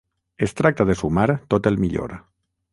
Es tracta de sumar tot el millor.